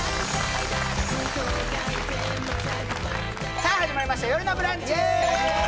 さあ始まりました「よるのブランチ」です